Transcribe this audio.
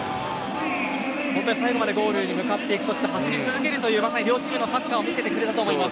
本当に最後までゴールに向かっていくそして走り続けるというまさに両チームのサッカーを見せてくれたと思います。